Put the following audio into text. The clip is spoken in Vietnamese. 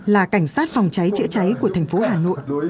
là cảnh sát phòng trái trễ trái của thành phố hà nội